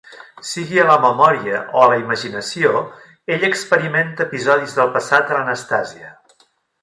Sigui a la memòria o a la imaginació, ella experimenta episodis del passat de l'Anastasia...